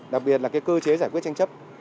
đặc biệt là cơ chế giải quyết tranh chấp